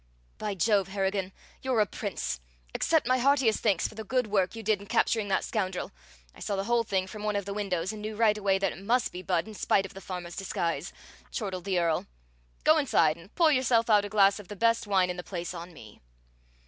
"By Jove, Harrigan, you're a prince! Accept my heartiest thanks for the good work you did in capturing that scoundrel. I saw the whole thing from one of the windows, and knew right away that it must be Budd, in spite of the farmer's disguise," chortled the Earl. "Go inside and pour yourself out a glass of the best wine in the place on me!"